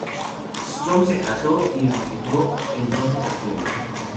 Storm se casó y enviudó en dos ocasiones.